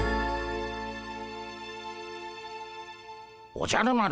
おじゃる丸